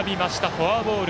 フォアボール。